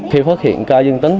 khi phát hiện ca dương tính